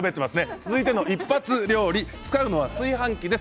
続いてのイッパツ料理使うのは炊飯器です。